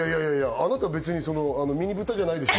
あなた別にミニブタじゃないでしょ！